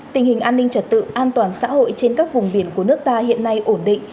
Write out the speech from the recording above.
tình hình an ninh trật tự an toàn xã hội trên các vùng biển của nước ta hiện nay ổn định